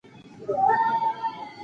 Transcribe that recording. ژوند ورکړئ.